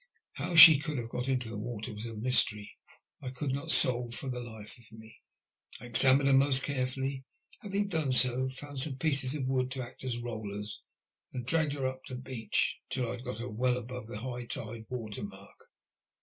How she could have got into the water was a mystery I could not solve for the life of me. I examined her most carefully, and having done so, found some pieces of wood to act as rollers, and dragged her up the beach till I had got her well above high water mark.